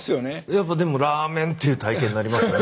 やっぱでもラーメンっていう体形になりますよね。